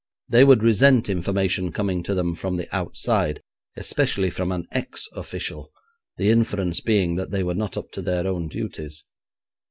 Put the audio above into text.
They would resent information coming to them from the outside, especially from an ex official, the inference being that they were not up to their own duties.